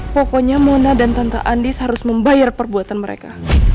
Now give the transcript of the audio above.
pokoknya mona dan tanta andis harus membayar perbuatan mereka